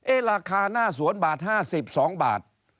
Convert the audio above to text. ราคาหน้าสวนบาท๕๒บาท